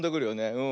うん。